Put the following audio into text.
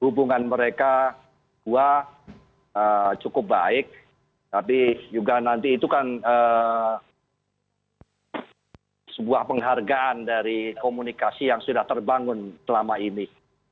hubungan mereka dua cukup baik tapi juga nanti itu kan sebuah penghargaan dari komunikasi yang sudah terbangun selama ini